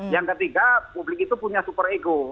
yang ketiga publik itu punya superego